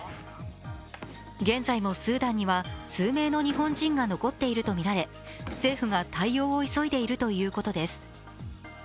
現在もスーダンには数名の日本人が残っているとみられ政府が対応を急いでいるということです。